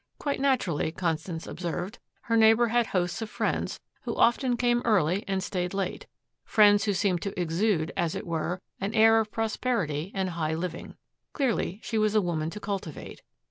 Quite naturally, Constance observed, her neighbor had hosts of friends who often came early and stayed late, friends who seemed to exude, as it were, an air of prosperity and high living. Clearly, she was a woman to cultivate.